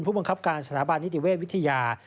ผู้บังคับการสถาบันนิติเวชวิทยา